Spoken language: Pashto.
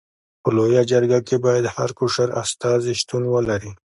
په لويه جرګه کي باید هر قشر استازي شتون ولري.